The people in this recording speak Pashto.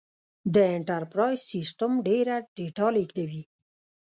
دا انټرپرایز سیسټم ډېره ډیټا لېږدوي.